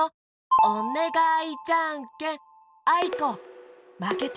おねがいじゃんけんあいこまけて！